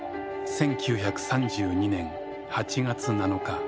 １９３２年８月７日。